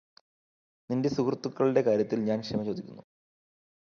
നിന്റെ സുഹൃത്തുക്കളുടെ കാര്യത്തില് ഞാന് ക്ഷമചോദിക്കുന്നു